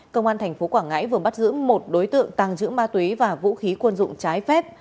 công an thành phố quảng ngãi vừa bắt giữ một đối tượng tàng trữ ma túy và vũ khí quân dụng trái phép